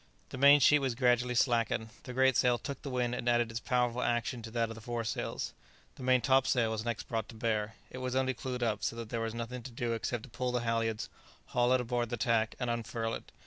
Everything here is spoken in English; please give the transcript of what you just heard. The main sheet was gradually slackened, the great sail took the wind and added its powerful action to that of the fore sails. The main top sail was next brought to bear; it was only clewed up, so that there was nothing to do except to pull the halyards, haul it aboard the tack, and unfurl it.